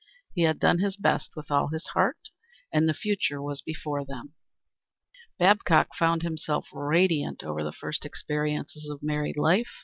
He had done his best and with all his heart, and the future was before them. Babcock found himself radiant over the first experiences of married life.